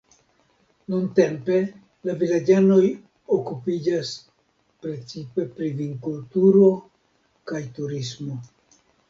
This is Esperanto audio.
Nuntempe la vilaĝanoj okupiĝas precipe pri vinkulturo kaj turismo.